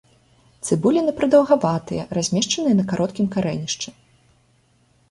Цыбуліны прадаўгаватыя, размешчаныя на кароткім карэнішчы.